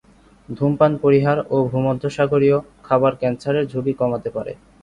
ধূমপান পরিহার ও ভূমধ্যসাগরীয় খাবার ক্যান্সারের ঝুঁকি কমাতে পারে।